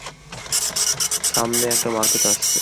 সামনে একটা মার্কেট আছে।